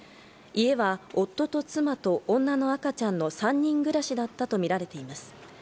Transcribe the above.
家は夫と妻と女の赤ちゃんの３人暮らしだったとみられています。